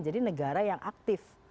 jadi negara yang aktif